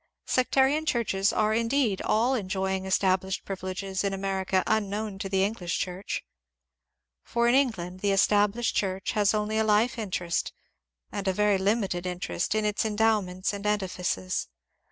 Sectarian churches are indeed all en joying established privileges in America unknown to the English Church. For in England the Established Church has only a life interest, and a very limited interest, in its endow ments and edifices.